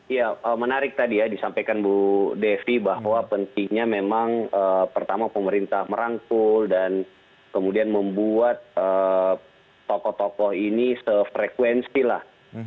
ya menarik tadi ya disampaikan bu devi bahwa pentingnya memang pertama pemerintah merangkul dan kemudian membuat tokoh tokoh ini sefrekuensi lah